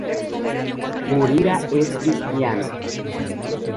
Gurira es cristiana.